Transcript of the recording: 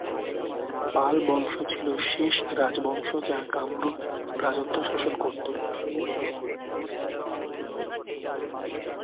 পাল বংশ ছিল শেষ রাজবংশ যা কামরূপ রাজত্ব শাসন করতো।